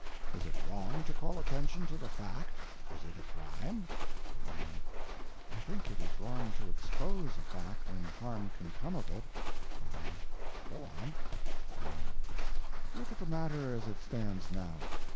Is it wrong to call attention to the fact? Is it a crime? Y.M. I think it is wrong to _expose _a fact when harm can come of it. O.M. Go on. Y.M. Look at the matter as it stands now.